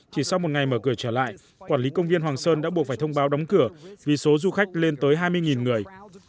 chỉ sau một ngày mở cửa trở lại quản lý công viên hoàng sơn đã buộc phải thông báo đóng cửa vì số du khách lên tới hai mươi người